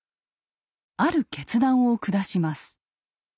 ある決断を下します。